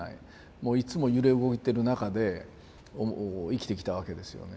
もういつも揺れ動いてる中で生きてきたわけですよね。